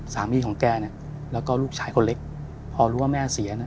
สามีของแกเนี่ยแล้วก็ลูกชายคนเล็กพอรู้ว่าแม่เสียเนี่ย